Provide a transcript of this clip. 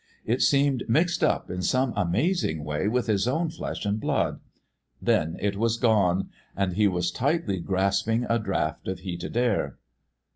It seemed mixed up in some amazing way with his own flesh and blood. Then it was gone, and he was tightly grasping a draught of heated air.